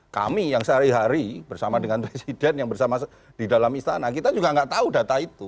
kami yang sehari hari bersama dengan presiden yang bersama di dalam istana kita juga nggak tahu data itu